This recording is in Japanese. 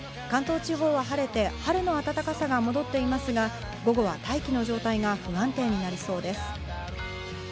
関東地方は晴れて春の暖かさが戻っていますが、午後は大気の状態が不安定になりそうです。